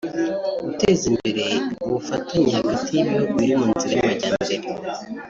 guteza imbere ubufatanye hagati y’ibihugu biri mu nzira y’amajyambere